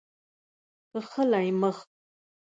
کښلی مخ